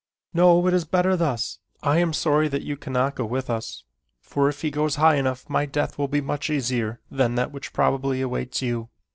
No, it is better thus. I am sorry that you cannot go with us, for if he goes high enough my death will be much easier than that which probably awaits you."